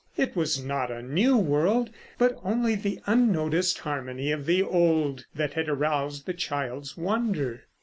It was not a new world, but only the unnoticed harmony of the old that had aroused the child's wonder.